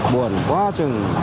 buồn quá trừng